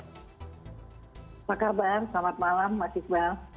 apa kabar selamat malam masih selamat